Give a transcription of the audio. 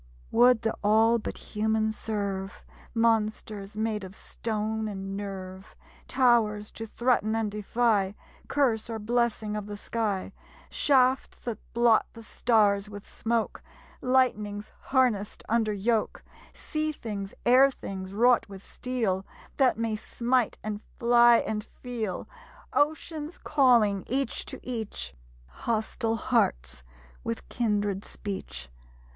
Would the all but human serve! Monsters made of stone and nerve; Towers to threaten and defy Curse or blessing of the sky; Shafts that blot the stars with smoke; Lightnings harnessed under yoke; Sea things, air things, wrought with steel, That may smite, and fly, and feel! Oceans calling each to each; Hostile hearts, with kindred speech.